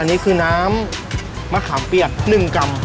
อันนี้คือน้ำมะขามเปียก๑กรัม